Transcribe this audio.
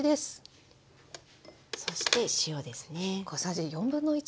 そして塩ですね。